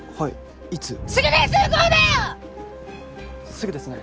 すぐですね。